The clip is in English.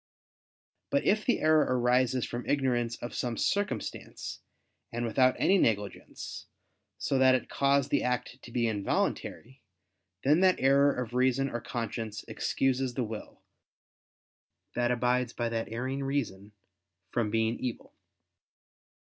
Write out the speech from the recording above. But if the error arise from ignorance of some circumstance, and without any negligence, so that it cause the act to be involuntary, then that error of reason or conscience excuses the will, that abides by that erring reason, from being evil.